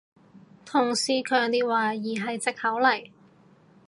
同事強烈懷疑係藉口嚟